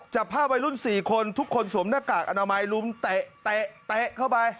จับภาพวัยรุ่น๔คนทุกคนสวมหน้ากากอนามัยลุมเตะเข้าไป